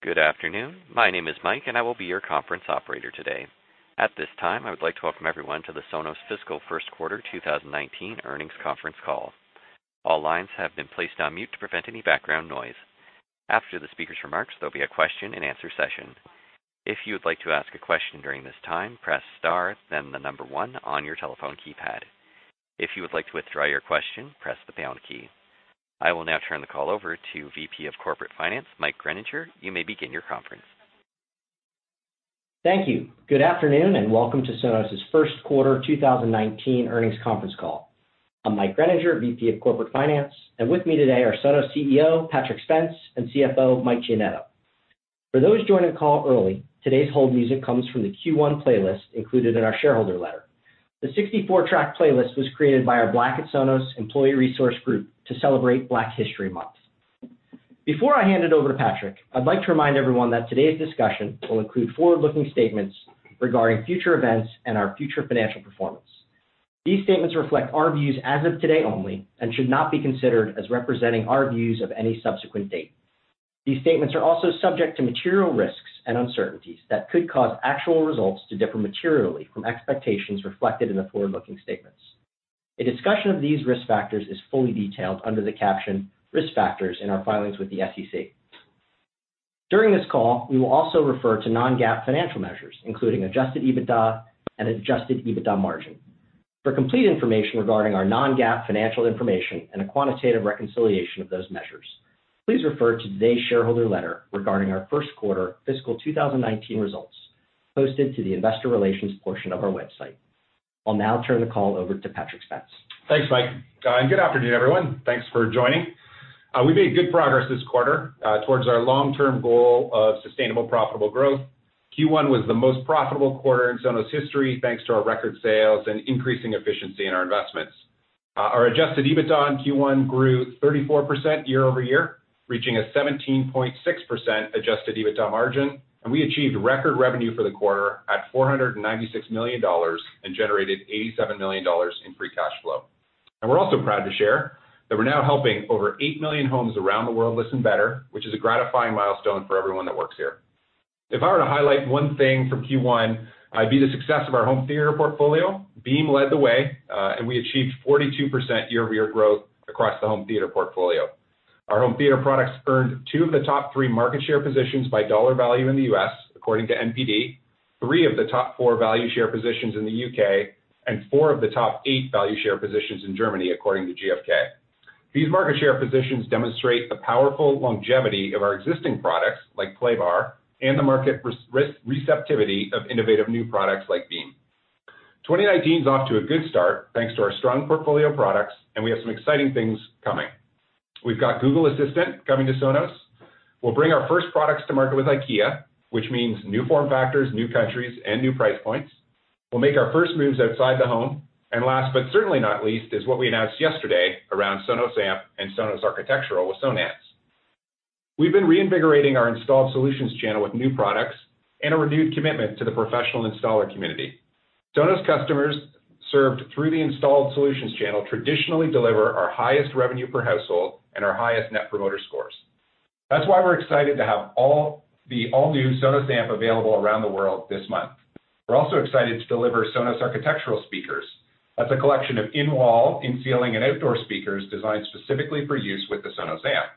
Good afternoon. My name is Mike, I will be your conference operator today. At this time, I would like to welcome everyone to the Sonos Fiscal First Quarter 2019 Earnings Conference Call. All lines have been placed on mute to prevent any background noise. After the speakers' remarks, there will be a question and answer session. If you would like to ask a question during this time, press star then the number one on your telephone keypad. If you would like to withdraw your question, press the pound key. I will now turn the call over to VP of Corporate Finance, Mike Groeninger. You may begin your conference. Thank you. Good afternoon, welcome to Sonos's First Quarter 2019 Earnings Conference Call. I'm Mike Groeninger, VP of Corporate Finance, and with me today are Sonos CEO, Patrick Spence, and CFO, Mike Giannetto. For those joining the call early, today's hold music comes from the Q1 playlist included in our shareholder letter. The 64-track playlist was created by our Black at Sonos employee resource group to celebrate Black History Month. Before I hand it over to Patrick, I'd like to remind everyone that today's discussion will include forward-looking statements regarding future events and our future financial performance. These statements reflect our views as of today only and should not be considered as representing our views of any subsequent date. These statements are also subject to material risks and uncertainties that could cause actual results to differ materially from expectations reflected in the forward-looking statements. A discussion of these risk factors is fully detailed under the caption "Risk Factors" in our filings with the SEC. During this call, we will also refer to non-GAAP financial measures, including adjusted EBITDA and adjusted EBITDA margin. For complete information regarding our non-GAAP financial information and a quantitative reconciliation of those measures, please refer to today's shareholder letter regarding our first quarter fiscal 2019 results, posted to the investor relations portion of our website. I'll now turn the call over to Patrick Spence. Thanks, Mike. Good afternoon, everyone. Thanks for joining. We made good progress this quarter towards our long-term goal of sustainable, profitable growth. Q1 was the most profitable quarter in Sonos's history, thanks to our record sales and increasing efficiency in our investments. Our adjusted EBITDA in Q1 grew 34% year-over-year, reaching a 17.6% adjusted EBITDA margin, and we achieved record revenue for the quarter at $496 million and generated $87 million in free cash flow. We're also proud to share that we're now helping over 8 million homes around the world listen better, which is a gratifying milestone for everyone that works here. If I were to highlight one thing from Q1, it'd be the success of our home theater portfolio. Beam led the way, and we achieved 42% year-over-year growth across the home theater portfolio. Our home theater products earned two of the top three market share positions by dollar value in the U.S., according to NPD, three of the top four value share positions in the U.K., and four of the top eight value share positions in Germany, according to GfK. These market share positions demonstrate the powerful longevity of our existing products, like Playbar, and the market receptivity of innovative new products like Beam. 2019 is off to a good start thanks to our strong portfolio of products, and we have some exciting things coming. We've got Google Assistant coming to Sonos. We'll bring our first products to market with IKEA, which means new form factors, new countries, and new price points. We'll make our first moves outside the home. Last but certainly not least, is what we announced yesterday around Sonos Amp and Sonos Architectural with Sonance. We've been reinvigorating our installed solutions channel with new products and a renewed commitment to the professional installer community. Sonos customers served through the installed solutions channel traditionally deliver our highest revenue per household and our highest Net Promoter Scores. That's why we're excited to have the all-new Sonos Amp available around the world this month. We're also excited to deliver Sonos Architectural speakers. That's a collection of in-wall, in-ceiling, and outdoor speakers designed specifically for use with the Sonos Amp.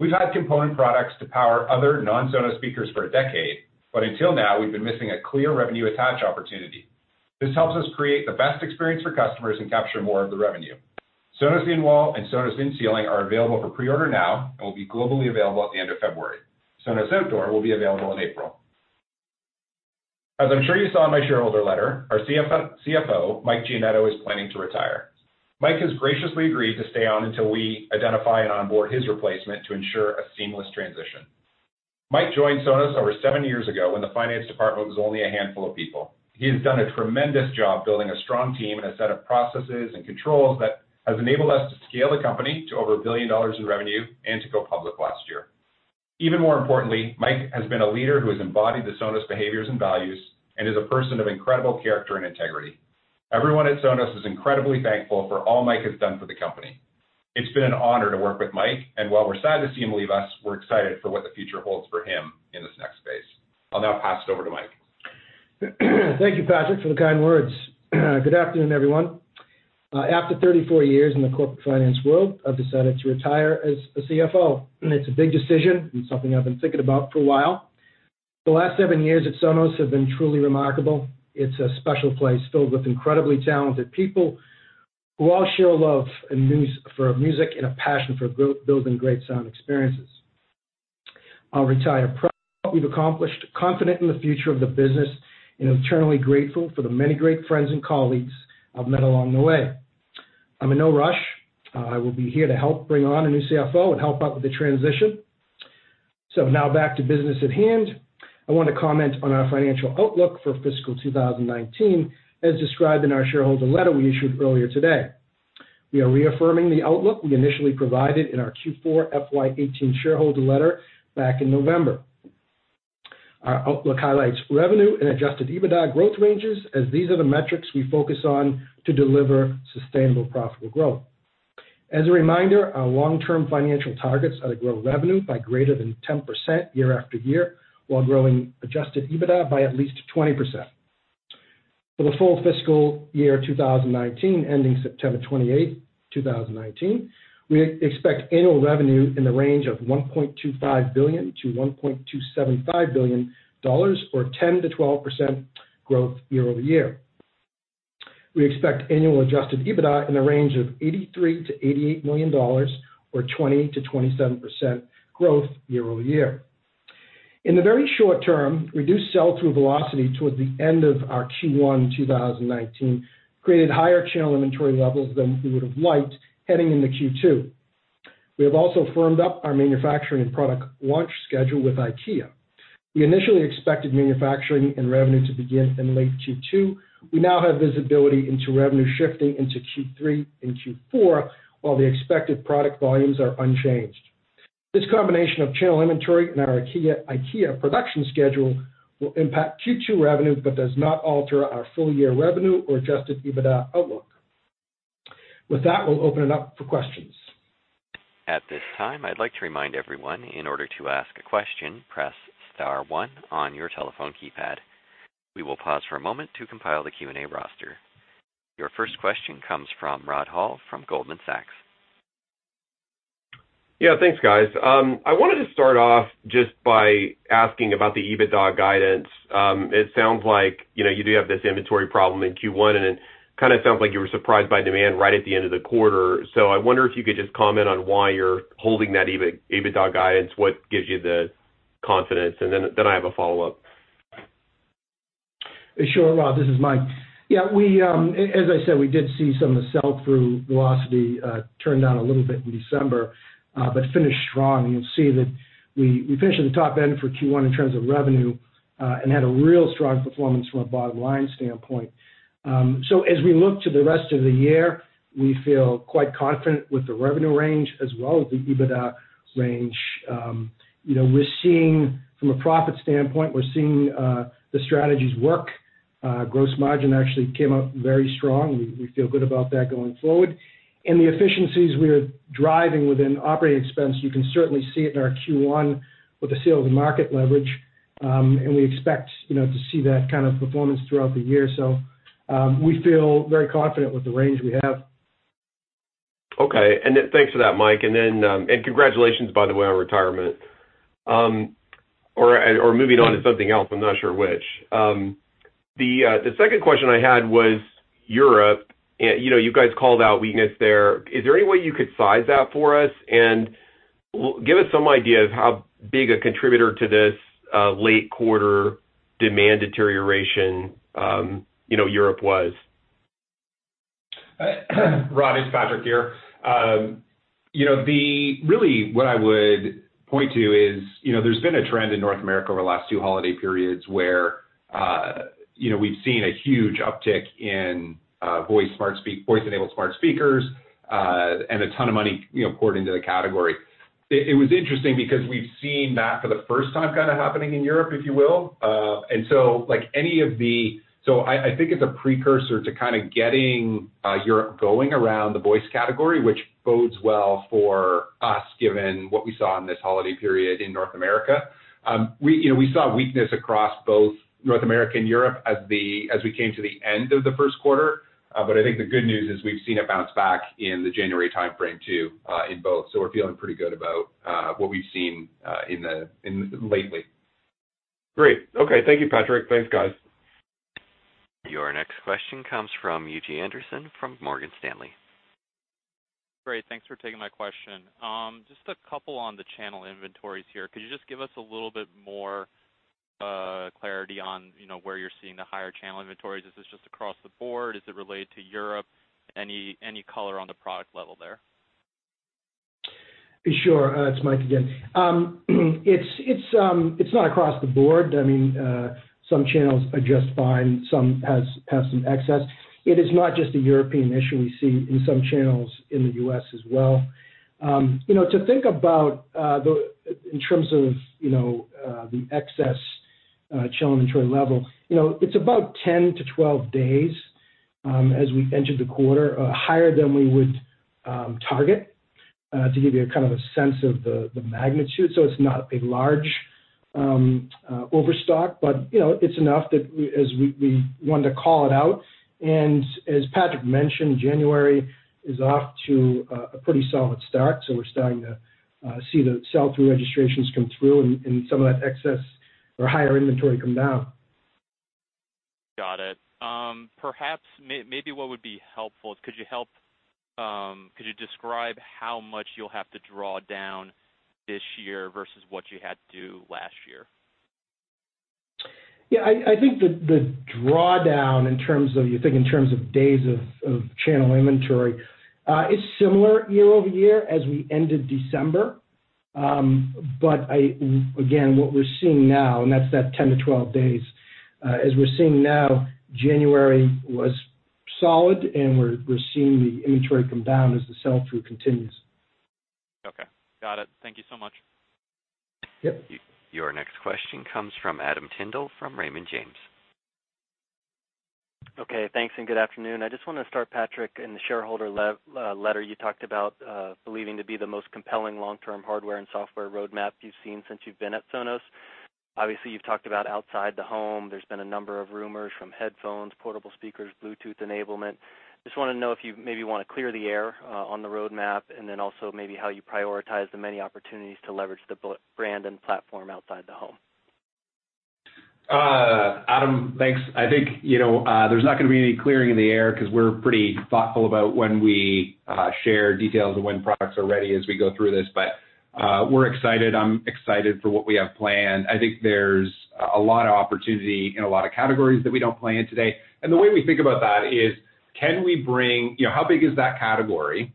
We've had component products to power other non-Sonos speakers for a decade, but until now, we've been missing a clear revenue attach opportunity. This helps us create the best experience for customers and capture more of the revenue. Sonos In-Wall and Sonos In-Ceiling are available for pre-order now and will be globally available at the end of February. Sonos Outdoor will be available in April. As I'm sure you saw in my shareholder letter, our CFO, Mike Giannetto, is planning to retire. Mike has graciously agreed to stay on until we identify and onboard his replacement to ensure a seamless transition. Mike joined Sonos over seven years ago when the finance department was only a handful of people. He has done a tremendous job building a strong team and a set of processes and controls that has enabled us to scale the company to over $1 billion in revenue and to go public last year. Even more importantly, Mike has been a leader who has embodied the Sonos behaviors and values and is a person of incredible character and integrity. Everyone at Sonos is incredibly thankful for all Mike has done for the company. It's been an honor to work with Mike, and while we're sad to see him leave us, we're excited for what the future holds for him in this next phase. I'll now pass it over to Mike. Thank you, Patrick, for the kind words. Good afternoon, everyone. After 34 years in the corporate finance world, I've decided to retire as a CFO. It's a big decision and something I've been thinking about for a while. The last seven years at Sonos have been truly remarkable. It's a special place filled with incredibly talented people who all share a love for music and a passion for building great sound experiences. I'll retire proud of what we've accomplished, confident in the future of the business, and eternally grateful for the many great friends and colleagues I've met along the way. I'm in no rush. I will be here to help bring on a new CFO and help out with the transition. Now back to business at hand. I want to comment on our financial outlook for fiscal 2019, as described in our shareholder letter we issued earlier today. We are reaffirming the outlook we initially provided in our Q4 FY 2018 shareholder letter back in November. Our outlook highlights revenue and adjusted EBITDA growth ranges, as these are the metrics we focus on to deliver sustainable profitable growth. As a reminder, our long-term financial targets are to grow revenue by greater than 10% year after year, while growing adjusted EBITDA by at least 20%. For the full fiscal year 2019 ending September 28th, 2019, we expect annual revenue in the range of $1.25 billion-$1.275 billion, or 10%-12% growth year over year. We expect annual adjusted EBITDA in the range of $83 million-$88 million, or 20%-27% growth year over year. In the very short term, reduced sell-through velocity towards the end of our Q1 2019 created higher channel inventory levels than we would've liked heading into Q2. We have also firmed up our manufacturing and product launch schedule with IKEA. We initially expected manufacturing and revenue to begin in late Q2. We now have visibility into revenue shifting into Q3 and Q4, while the expected product volumes are unchanged. This combination of channel inventory and our IKEA production schedule will impact Q2 revenue, but does not alter our full-year revenue or adjusted EBITDA outlook. With that, we'll open it up for questions. At this time, I'd like to remind everyone, in order to ask a question, press star one on your telephone keypad. We will pause for a moment to compile the Q&A roster. Your first question comes from Rod Hall from Goldman Sachs. Yeah, thanks guys. I wanted to start off just by asking about the EBITDA guidance. It sounds like you do have this inventory problem in Q1, and it kind of sounds like you were surprised by demand right at the end of the quarter. I wonder if you could just comment on why you're holding that EBITDA guidance. What gives you the confidence? I have a follow-up. Sure, Rod. This is Mike. Yeah. As I said, we did see some of the sell-through velocity turn down a little bit in December, but finished strong. You can see that we finished at the top end for Q1 in terms of revenue, and had a real strong performance from a bottom-line standpoint. As we look to the rest of the year, we feel quite confident with the revenue range as well as the EBITDA range. From a profit standpoint, we're seeing the strategies work. Gross margin actually came out very strong. We feel good about that going forward. The efficiencies we are driving within operating expense, you can certainly see it in our Q1 with the sales and market leverage. We expect to see that kind of performance throughout the year. We feel very confident with the range we have. Okay. Thanks for that, Mike. Congratulations by the way, on retirement. Or moving on to something else, I'm not sure which. The second question I had was Europe, and you guys called out weakness there. Is there any way you could size that for us, and give us some idea of how big a contributor to this late quarter demand deterioration Europe was? Rod, it's Patrick here. Really, what I would point to is, there's been a trend in North America over the last two holiday periods where we've seen a huge uptick in voice-enabled smart speakers, and a ton of money poured into the category. It was interesting because we've seen that for the first time kind of happening in Europe, if you will. I think it's a precursor to kind of getting Europe going around the voice category, which bodes well for us, given what we saw in this holiday period in North America. We saw weakness across both North America and Europe as we came to the end of the first quarter. I think the good news is we've seen it bounce back in the January timeframe too, in both. We're feeling pretty good about what we've seen lately. Great. Okay. Thank you, Patrick. Thanks, guys. Your next question comes from Eugene Anderson from Morgan Stanley. Great. Thanks for taking my question. Just a couple on the channel inventories here. Could you just give us a little bit more clarity on where you're seeing the higher channel inventories? Is this just across the board? Is it related to Europe? Any color on the product level there? Sure. It's Mike again. It's not across the board. Some channels are just fine, some have some excess. It is not just a European issue. We see it in some channels in the U.S. as well. To think about in terms of the excess channel inventory level, it's about 10 to 12 days as we entered the quarter, higher than we would target, to give you a kind of a sense of the magnitude. It's not a large overstock, but it's enough that we want to call it out. As Patrick mentioned, January is off to a pretty solid start. We're starting to see the sell-through registrations come through and some of that excess or higher inventory come down. Got it. Perhaps maybe what would be helpful is, could you describe how much you'll have to draw down this year versus what you had to last year? I think the drawdown, you think in terms of days of channel inventory, is similar year-over-year as we ended December. Again, what we're seeing now, and that's that 10 to 12 days, as we're seeing now, January was solid and we're seeing the inventory come down as the sell-through continues. Okay, got it. Thank you so much. Yep. Your next question comes from Adam Tindle from Raymond James. Okay, thanks, and good afternoon. I just want to start, Patrick, in the shareholder letter, you talked about believing to be the most compelling long-term hardware and software roadmap you've seen since you've been at Sonos. Obviously, you've talked about outside the home, there's been a number of rumors from headphones, portable speakers, Bluetooth enablement. Just want to know if you maybe want to clear the air on the roadmap, and then also maybe how you prioritize the many opportunities to leverage the brand and platform outside the home. Adam, thanks. I think there's not going to be any clearing in the air because we're pretty thoughtful about when we share details of when products are ready as we go through this. We're excited, I'm excited for what we have planned. I think there's a lot of opportunity in a lot of categories that we don't play in today. The way we think about that is how big is that category,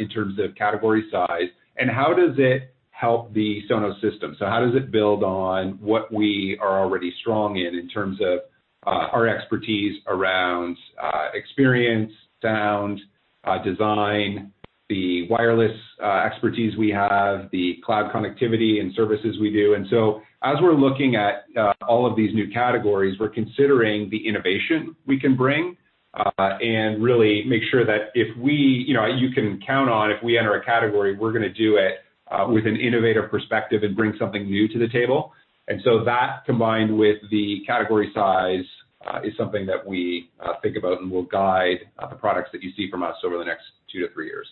in terms of category size, and how does it help the Sonos system? How does it build on what we are already strong in terms of our expertise around experience, sound, design, the wireless expertise we have, the cloud connectivity and services we do. As we're looking at all of these new categories, we're considering the innovation we can bring, and really make sure that you can count on if we enter a category, we're going to do it with an innovative perspective and bring something new to the table. That combined with the category size, is something that we think about and will guide the products that you see from us over the next two to three years.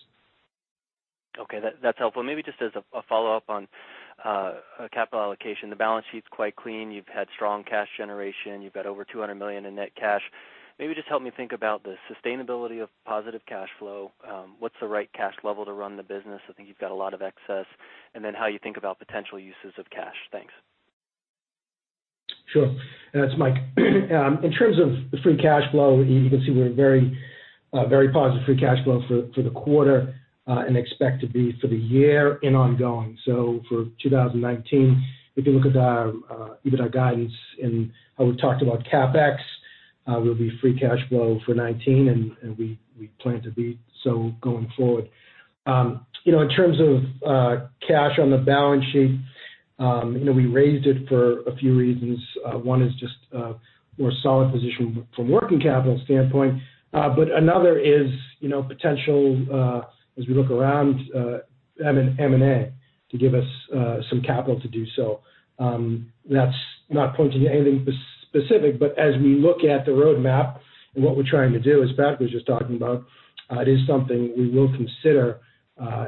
Okay. That's helpful. Maybe just as a follow-up on capital allocation. The balance sheet's quite clean. You've had strong cash generation. You've got over $200 million in net cash. Maybe just help me think about the sustainability of positive cash flow. What's the right cash level to run the business, I think you've got a lot of excess, and then how you think about potential uses of cash. Thanks. Sure. That's Mike. In terms of the free cash flow, you can see we're very positive free cash flow for the quarter, and expect to be for the year and ongoing. For 2019, if you look at our EBITDA guidance and how we talked about CapEx, we'll be free cash flow for 2019 and we plan to be so going forward. In terms of cash on the balance sheet, we raised it for a few reasons. One is just more solid position from working capital standpoint. Another is potential, as we look around M&A to give us some capital to do so. That's not pointing to anything specific, but as we look at the roadmap and what we're trying to do, as Patt was just talking about, it is something we will consider,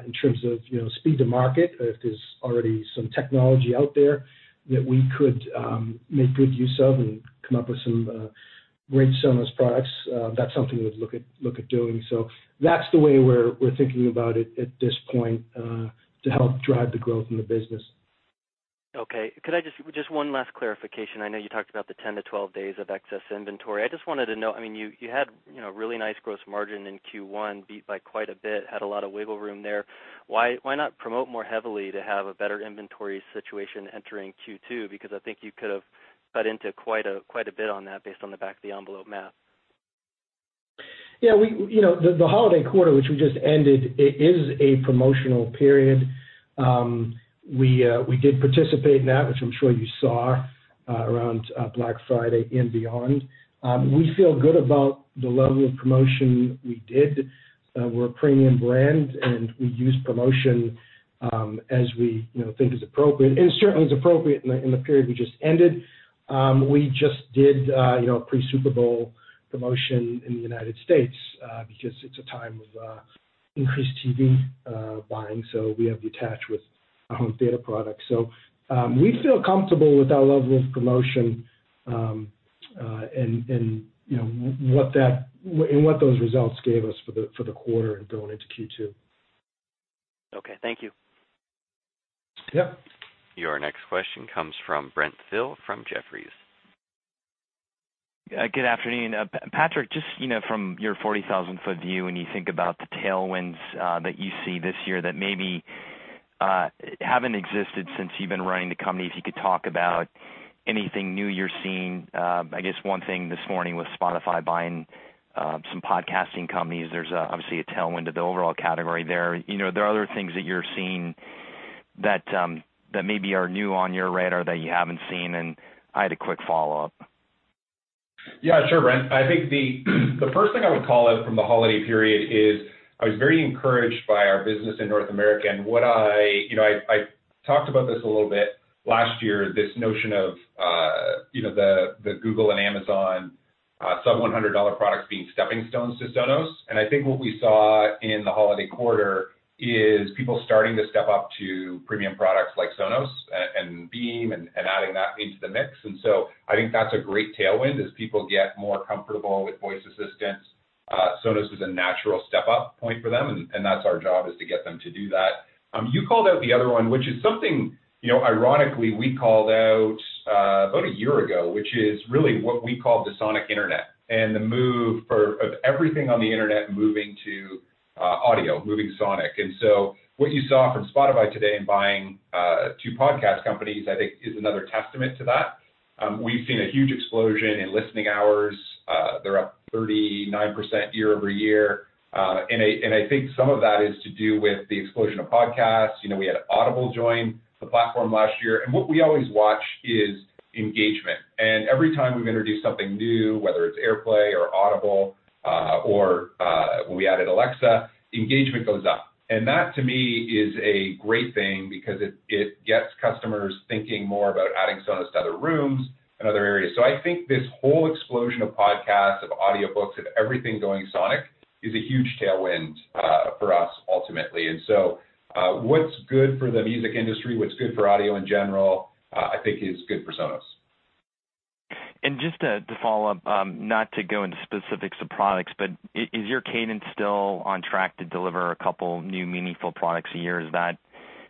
in terms of speed to market. If there's already some technology out there that we could make good use of and come up with some great Sonos products, that's something we'd look at doing. That's the way we're thinking about it at this point, to help drive the growth in the business. Okay. Could I just, one last clarification. I know you talked about the 10 to 12 days of excess inventory. I just wanted to know, you had really nice gross margin in Q1, beat by quite a bit, had a lot of wiggle room there. Why not promote more heavily to have a better inventory situation entering Q2? I think you could've cut into quite a bit on that based on the back of the envelope math. Yeah. The holiday quarter, which we just ended, it is a promotional period. We did participate in that, which I'm sure you saw around Black Friday and beyond. We feel good about the level of promotion we did. We're a premium brand, and we use promotion as we think is appropriate, and certainly was appropriate in the period we just ended. We just did a pre-Super Bowl promotion in the United States, because it's a time of increased TV buying, so we have the attach with home theater products. We feel comfortable with our level of promotion, and what those results gave us for the quarter and going into Q2. Okay, thank you. Yep. Your next question comes from Brent Thill from Jefferies. Good afternoon. Patrick, just from your 40,000 ft view, when you think about the tailwinds that you see this year that maybe haven't existed since you've been running the company, if you could talk about anything new you're seeing. I guess one thing this morning was Spotify buying some podcasting companies. There's obviously a tailwind to the overall category there. Are there other things that you're seeing that maybe are new on your radar that you haven't seen? I had a quick follow-up. Yeah, sure, Brent. I think the first thing I would call out from the holiday period is I was very encouraged by our business in North America. I talked about this a little bit last year, this notion of the Google and Amazon sub-$100 products being stepping stones to Sonos. I think what we saw in the holiday quarter is people starting to step up to premium products like Sonos and Beam and adding that into the mix. I think that's a great tailwind as people get more comfortable with voice assistants. Sonos is a natural step-up point for them, and that's our job is to get them to do that. You called out the other one, which is something ironically we called out about a year ago, which is really what we call the Sonic Internet, and the move of everything on the Internet moving to audio, moving sonic. What you saw from Spotify today in buying two podcast companies, I think is another testament to that. We've seen a huge explosion in listening hours. They're up 39% year-over-year. I think some of that is to do with the explosion of podcasts. We had Audible join the platform last year, and what we always watch is engagement. Every time we've introduced something new, whether it's AirPlay or Audible, or when we added Alexa, engagement goes up. That to me is a great thing because it gets customers thinking more about adding Sonos to other rooms and other areas. I think this whole explosion of podcasts, of audiobooks, of everything going sonic is a huge tailwind for us ultimately. What's good for the music industry, what's good for audio in general, I think is good for Sonos. Just to follow up, not to go into specifics of products, but is your cadence still on track to deliver a couple new meaningful products a year? Is that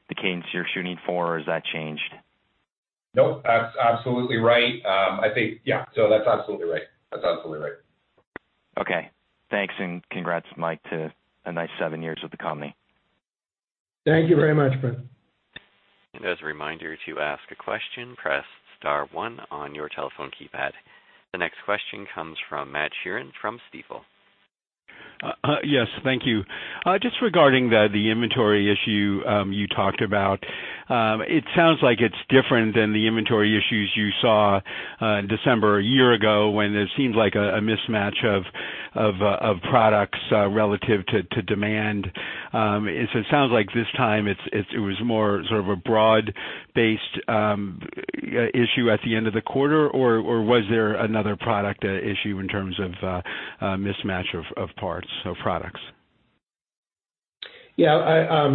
the cadence you're shooting for or has that changed? Nope. That's absolutely right. That's absolutely right. Okay. Thanks, congrats, Mike, to a nice seven years with the company. Thank you very much, Brent. As a reminder, to ask a question, press star one on your telephone keypad. The next question comes from Matt Sheerin from Stifel. Yes, thank you. Just regarding the inventory issue you talked about, it sounds like it's different than the inventory issues you saw in December a year ago when it seemed like a mismatch of products relative to demand. It sounds like this time it was more sort of a broad-based issue at the end of the quarter, or was there another product issue in terms of mismatch of parts or products? Yeah,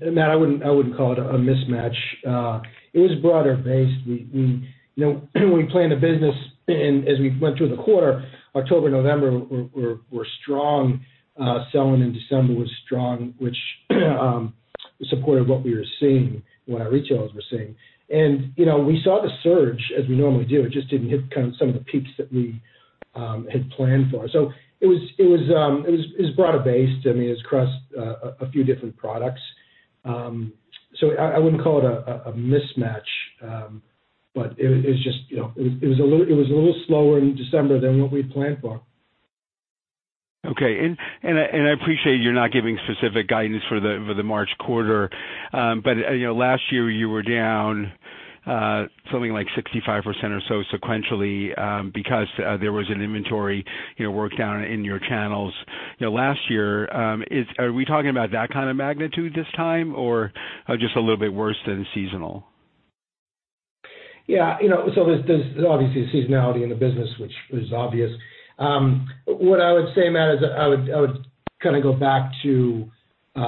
Matt, I wouldn't call it a mismatch. It is broader-based. We plan the business, as we went through the quarter, October, November were strong selling, December was strong, which is supportive of what we were seeing and what our retailers were seeing. We saw the surge as we normally do. It just didn't hit kind of some of the peaks that we had planned for. It was broader-based. It crossed a few different products. I wouldn't call it a mismatch, but it was a little slower in December than what we had planned for. Okay. I appreciate you're not giving specific guidance for the March quarter, but last year you were down something like 65% or so sequentially, because there was an inventory work-down in your channels last year. Are we talking about that kind of magnitude this time, or just a little bit worse than seasonal? Yeah. There's obviously a seasonality in the business, which is obvious. What I would say, Matt, is I would go back to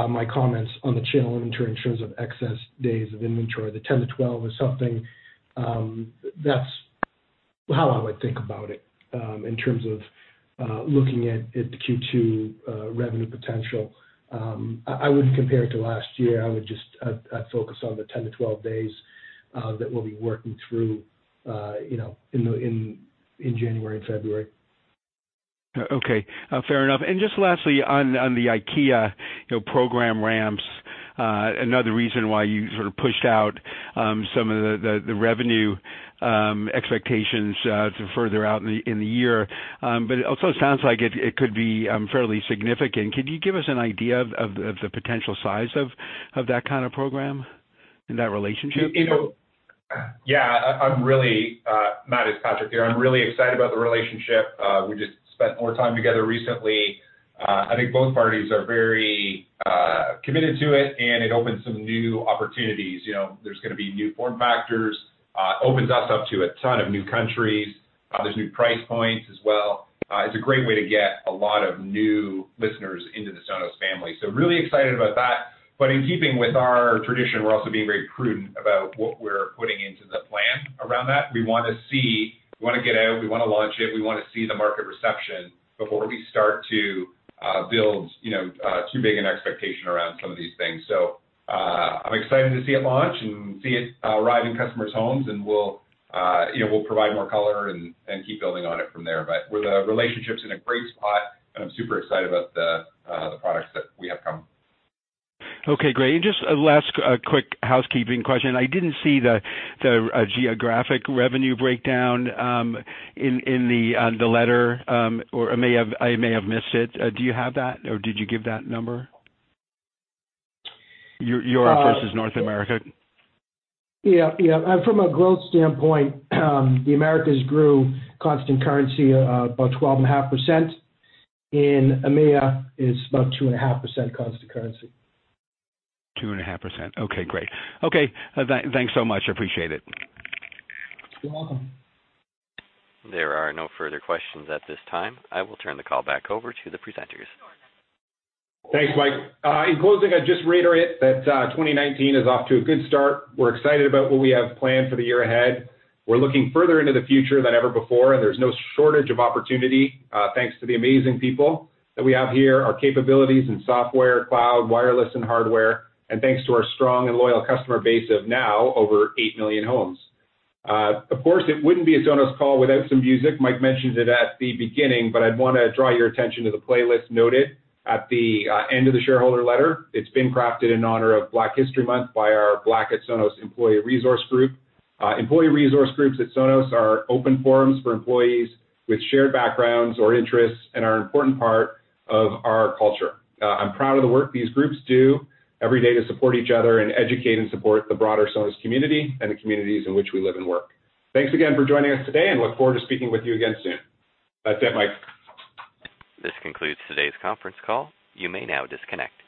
my comments on the channel inventory in terms of excess days of inventory. The 10 to 12 is something, that's how I would think about it in terms of looking at the Q2 revenue potential. I wouldn't compare it to last year. I'd focus on the 10 to 12 days that we'll be working through in January and February. Okay. Fair enough. Just lastly on the IKEA program ramps, another reason why you sort of pushed out some of the revenue expectations to further out in the year. It also sounds like it could be fairly significant. Could you give us an idea of the potential size of that kind of program and that relationship? Yeah. Matt, it's Patrick here. I'm really excited about the relationship. We just spent more time together recently. I think both parties are very committed to it, and it opens some new opportunities. There's going to be new form factors, opens us up to a ton of new countries. There's new price points as well. It's a great way to get a lot of new listeners into the Sonos family, so really excited about that. In keeping with our tradition, we're also being very prudent about what we're putting into the plan around that. We want to get out, we want to launch it, we want to see the market reception before we start to build too big an expectation around some of these things. I'm excited to see it launch and see it arrive in customers' homes, and we'll provide more color and keep building on it from there. The relationship's in a great spot, and I'm super excited about the products that we have coming. Okay, great. Just a last quick housekeeping question. I didn't see the geographic revenue breakdown in the letter, or I may have missed it. Do you have that, or did you give that number? Europe versus North America. Yeah. From a growth standpoint, the Americas grew constant currency about 12.5%, EMEA is about 2.5% constant currency. 2.5%. Okay, great. Okay, thanks so much. I appreciate it. You're welcome. There are no further questions at this time. I will turn the call back over to the presenters. Thanks, Mike. In closing, I'd just reiterate that 2019 is off to a good start. We're excited about what we have planned for the year ahead. We're looking further into the future than ever before, and there's no shortage of opportunity thanks to the amazing people that we have here, our capabilities in software, cloud, wireless, and hardware, and thanks to our strong and loyal customer base of now over eight million homes. Of course, it wouldn't be a Sonos call without some music. Mike mentioned it at the beginning, but I'd want to draw your attention to the playlist noted at the end of the shareholder letter. It's been crafted in honor of Black History Month by our Black at Sonos employee resource group. Employee resource groups at Sonos are open forums for employees with shared backgrounds or interests and are an important part of our culture. I'm proud of the work these groups do every day to support each other and educate and support the broader Sonos community and the communities in which we live and work. Thanks again for joining us today, and look forward to speaking with you again soon. That's it, Mike. This concludes today's conference call. You may now disconnect.